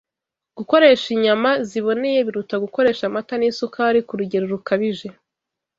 Gukoresha inyama ziboneye biruta gukoresha amata n’isukari ku rugero rukabije